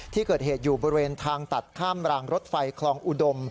ที่เกิดเหตุอยู่บริเวณทางตัดข้ามรางรถไฟคลองอุดม